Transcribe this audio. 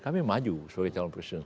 kami maju sebagai calon presiden